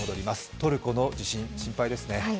トルコの地震、心配ですね。